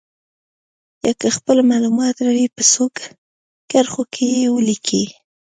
یا که خپله معلومات لرئ په څو کرښو کې یې ولیکئ.